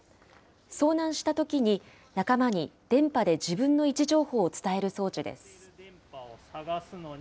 遭難したときに、仲間に電波で自分の位置情報を伝える装置です。